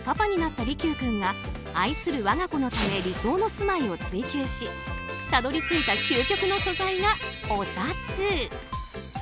最近、パパになった利休君が愛する我が子のため理想の住まいを追及したどり着いた究極の素材がお札。